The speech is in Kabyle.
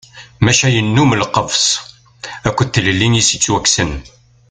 Maca yennum lqefs akked tlelli i as-yettwakksen.